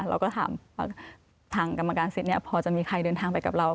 เราก็ถามว่าทางกรรมการสิทธิ์นี้พอจะมีใครเดินทางไปกับเรา